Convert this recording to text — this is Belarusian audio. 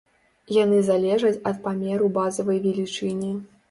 Яны залежаць ад памеру базавай велічыні.